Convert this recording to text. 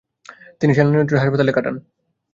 তিনি সেনা নিয়ন্ত্রিত হাসপাতালে কাটান।